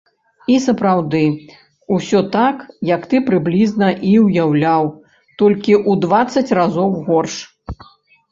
І сапраўды, усё так, як ты прыблізна і ўяўляў, толькі ў дваццаць разоў горш.